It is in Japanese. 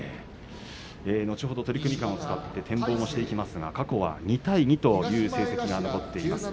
後ほど取組間を使って展望していきますが、過去は２対２という成績が残っています。